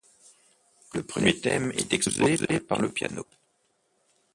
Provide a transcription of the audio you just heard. Le premier thème est exposé par le piano.